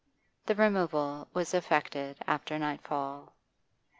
The removal was effected after nightfall.